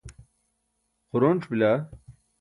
xuronc̣ bila.